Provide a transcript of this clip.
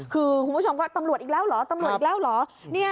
คือคุณผู้ชมก็ตำรวจอีกแล้วเหรอตำรวจอีกแล้วเหรอ